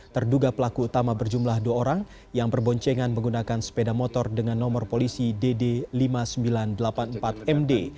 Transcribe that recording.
terduga pelaku utama berjumlah dua orang yang berboncengan menggunakan sepeda motor dengan nomor polisi dd lima ribu sembilan ratus delapan puluh empat md